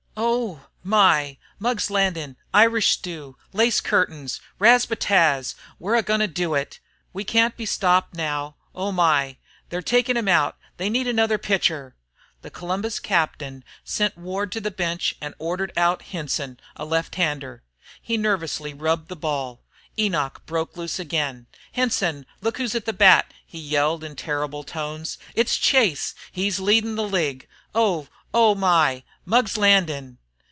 "Oh! My! Mugg's Landin'! Irish stew! Lace curtains! Ras pa tas! We're a goin' to do it! We can't be stopped now. Oh My! They're takin' him out! They need another pitcher!" The Columbus captain sent Ward to the bench and ordered out Henson, a left hander. As he nervously rubbed the ball, Enoch broke loose again. "Henson, look who's at the bat!" he yelled, in terrible tones. "It's Chase! He's leadin' the league! 'Oh! Oh! My! Mugg's Landin'